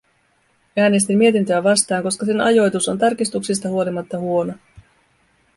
Äänestin mietintöä vastaan, koska sen ajoitus on tarkistuksista huolimatta huono.